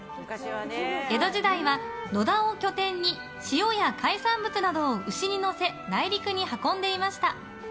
江戸時代は、野田を拠点に塩や海産物などを牛に載せ内陸に運んでいました。